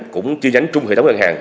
cũng chi nhánh trung hệ thống ngân hàng